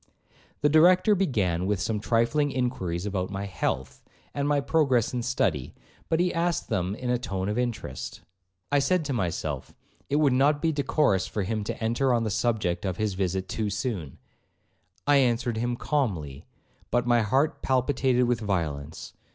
The Director began with some trifling inquiries about my health, and my progress in study, but he asked them in a tone of interest. I said to myself, it would not be decorous for him to enter on the subject of his visit too soon;—I answered him calmly, but my heart palpitated with violence.